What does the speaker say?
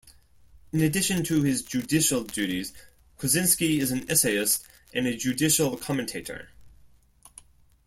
In addition to his judicial duties, Kozinski is an essayist and a judicial commentator.